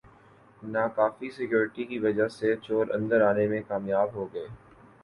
ناکافی سیکورٹی کی وجہ سےچور اندر آنے میں کامیاب ہوگئے